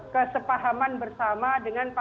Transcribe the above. kesepahaman bersama dengan